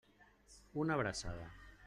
Una abraçada.